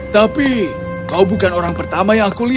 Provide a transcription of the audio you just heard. tapi kau bukan orang pertama yang aku lihat